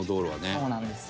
「そうなんですよ」